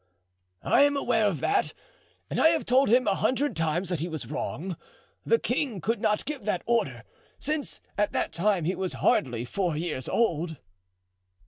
"I am aware of that, and I have told him a hundred times that he was wrong. The king could not give that order, since at that time he was hardly four years old."